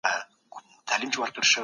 آیا د علم د ترلاسه کولو لاره پای لري؟